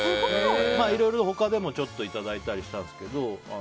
いろいろ他でもいただいたりしたんですけど。